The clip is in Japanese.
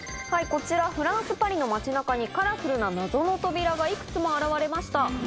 こちらフランスパリの町中にカラフルな謎の扉がいくつも現れました。